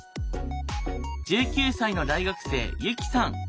１９歳の大学生ユキさん。